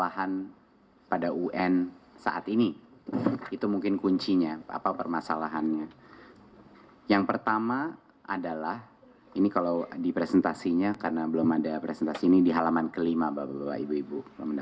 halaman kelima bapak ibu ibu